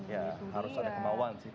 ya harus ada kemauan sih